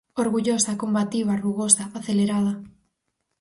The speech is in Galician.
Orgullosa, combativa, rugosa, acelerada.